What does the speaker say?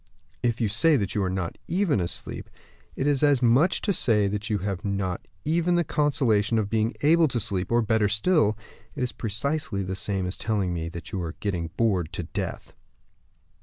"If you say that you are not even asleep, it is as much as to say that you have not even the consolation of being able to sleep; or, better still, it is precisely the same as telling me that you are getting bored to death."